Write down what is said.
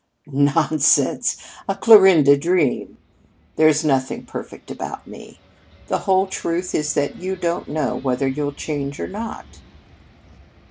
"Nonsense! A Clarinda dream! There's nothing perfect about me! The whole truth is that you don't know whether you'll change or not!"